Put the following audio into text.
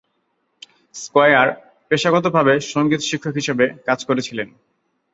Square পেশাগতভাবে সঙ্গীত শিক্ষক হিসাবে কাজ করেছিলেন।